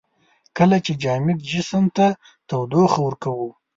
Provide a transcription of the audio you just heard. کله چې جامد جسم ته تودوخه ورکوو.